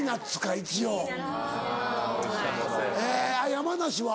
山梨は？